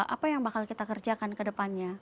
apa yang bakal kita kerjakan kedepannya